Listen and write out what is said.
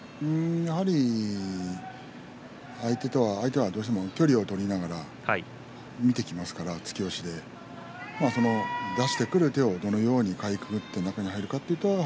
やはり相手はどうしても距離を取りながら見てきますから、突き押しで出してくる手をどのようにかいくぐって中に入るかということですね。